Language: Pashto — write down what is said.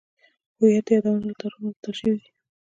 هویت د یادونو له تارونو اوبدل شوی دی.